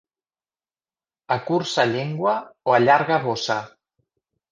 Acurça llengua o allarga bossa.